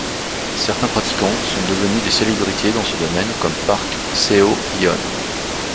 Certains pratiquants sont devenus des célébrités dans ce domaine comme Park Seo-Yeon.